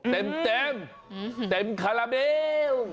เต็มเต็มคาราเบล